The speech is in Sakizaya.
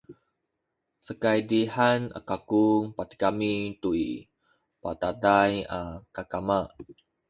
sakaydihan kaku patigami tu i bataday a kakama